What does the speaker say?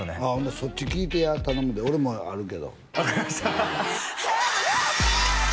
そっち聞いてや頼むで俺もあるけど分かりました